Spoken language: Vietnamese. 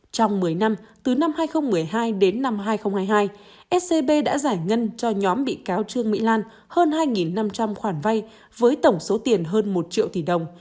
trong một mươi năm từ năm hai nghìn một mươi hai đến năm hai nghìn hai mươi hai scb đã giải ngân cho nhóm bị cáo trương mỹ lan hơn hai năm trăm linh khoản vay với tổng số tiền hơn một triệu tỷ đồng